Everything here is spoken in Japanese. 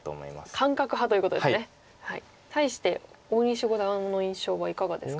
対して大西五段の印象はいかがですか？